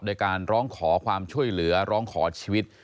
โดยการร้องขอความช่วยเหลือร้องขอชีวิต